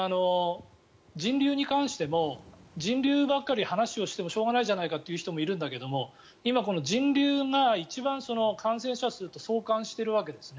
人流に関しても人流ばっかり話をしてもしょうがないじゃないかと言う人もいるんだけど今、人流が一番、感染者数と相関しているわけですね。